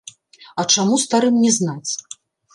А чаму старым не знаць?